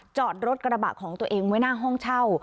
จอดรถกระบะของตัวเองไว้หน้าห้องเช่า